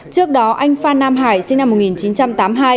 trước đó anh phan nam hải sinh năm một nghìn chín trăm tám mươi hai